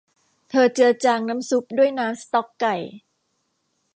เธอเจือจางน้ำซุปด้วยน้ำสต๊อกไก่